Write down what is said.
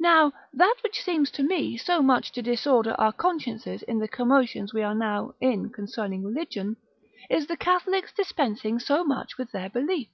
Now, that which seems to me so much to disorder our consciences in the commotions we are now in concerning religion, is the Catholics dispensing so much with their belief.